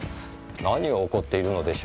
何を怒っているのでしょう？